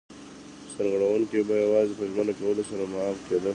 سرغړونکی به یوازې په ژمنه کولو سره معاف کېده.